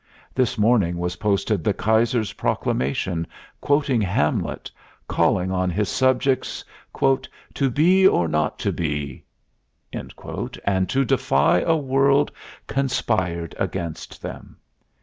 This morning was posted the Kaiser's proclamation, quoting Hamlet, calling on his subjects "to be or not to be," and to defy a world conspired against them.